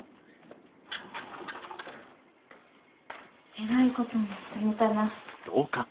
えらいことになってもうたな。